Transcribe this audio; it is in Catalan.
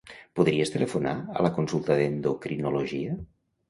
Podries telefonar a la consulta d'endocrinologia?